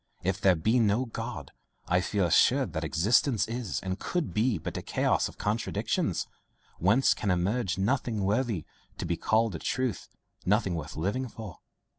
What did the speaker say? If there be no God, I feel assured that existence is and could be but a chaos of contradictions, whence can emerge nothing worthy to be called a truth, nothing worth living for.